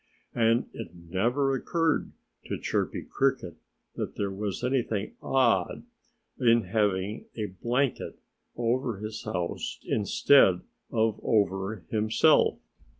And it never occurred to Chirpy Cricket that there was anything odd in having a blanket over his house instead of over himself.